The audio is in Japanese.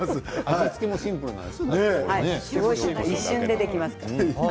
味付けもシンプルなんですね。